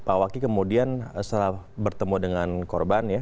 pak waki kemudian setelah bertemu dengan korban ya